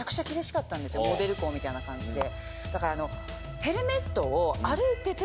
モデル校みたいな感じで。